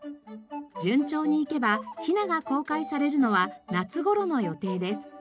順調にいけばヒナが公開されるのは夏ごろの予定です。